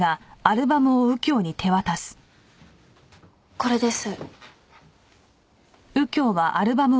これです。